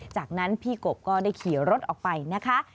จากนั้นพี่กบก็ได้ขี่รถออกไปนะคะ